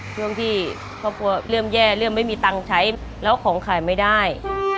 ช่วงที่ครอบครัวเริ่มแย่เริ่มไม่มีตังค์ใช้แล้วของขายไม่ได้